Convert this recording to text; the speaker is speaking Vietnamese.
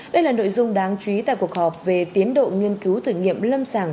đây là nội dung đáng chú ý tại cuộc họp về tiến độ nghiên cứu thử nghiệm lâm sàng